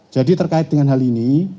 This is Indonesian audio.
jadi terkait dengan hal ini